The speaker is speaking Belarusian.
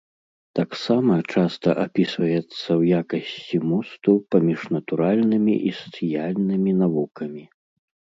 Таксама часта апісваецца ў якасці мосту паміж натуральнымі і сацыяльнымі навукамі.